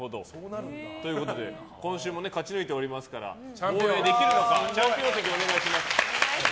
今週も勝ち抜いておりますから防衛できるのかチャンピオン席にお願いします。